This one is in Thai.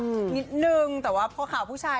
นิดนึงแต่ว่าพอข่าวผู้ชาย